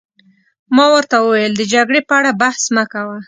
ما ورته وویل: د جګړې په اړه بحث مه کوه.